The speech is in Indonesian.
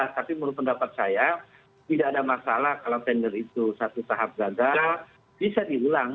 tapi menurut pendapat saya tidak ada masalah kalau tender itu satu tahap gagal bisa diulang